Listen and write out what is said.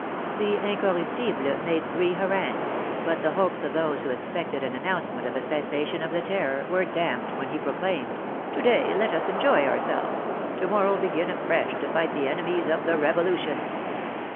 The " Incorruptible " made three harangues, but the hopes of those who expected an announcement of a cessa tion of the Terror were damped when he proclaimed :" To day let us enjoy ourselves, to morrow begin afresh to fight the enemies of the Revolution."